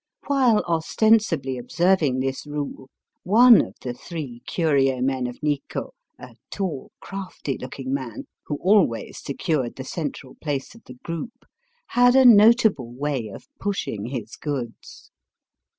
While ostensibly observ ing this rule one of the three curio men of Nikko, a tall, crafty looking man, who always secured the central place of the group, had a notable way of pushing his goods.